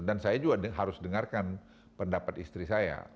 dan saya juga harus dengarkan pendapat istri saya